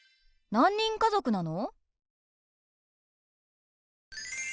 何人家族なの？